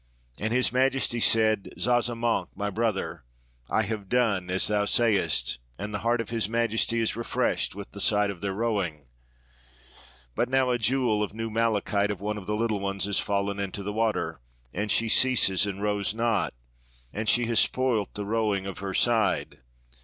And His Majesty said, ' Zazamankh, my brother, I have done as thou sayest, and the heart of His Majesty is refreshed with the sight of their rowing. But now a jewel of new malachite of one of the little ones is fallen into the water, and she ceases and rows not, and she has spoilt the rowing of her side.